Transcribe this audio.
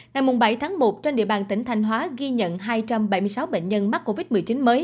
ngày bảy tháng một trên địa bàn tỉnh thanh hóa ghi nhận hai trăm bảy mươi sáu bệnh nhân mắc covid một mươi chín mới